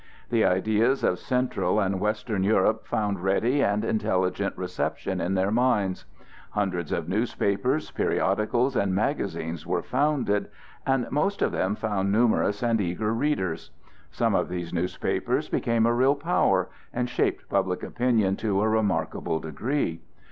The ideas of central and western Europe found ready and intelligent reception in their minds. Hundreds of newspapers, periodicals, and magazines were founded, and most of them found numerous and eager readers. Some of these papers became a real power and shaped public opinion to a remarkable degree.